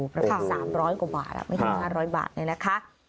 ประมาณ๓๐๐กว่าบาทไม่ถึง๕๐๐บาทเนี่ยนะคะ